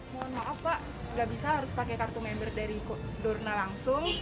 mohon maaf pak nggak bisa harus pakai kartu member dari dorna langsung